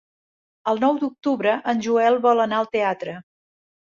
El nou d'octubre en Joel vol anar al teatre.